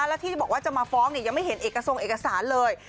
แล้วที่บอกว่าจะมาฟ้องยังไม่เห็นเอกทรงเอกสารเลย